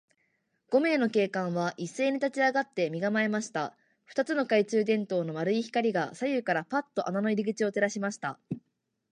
五名の警官はいっせいに立ちあがって、身がまえました。二つの懐中電燈の丸い光が、左右からパッと穴の入り口を照らしました。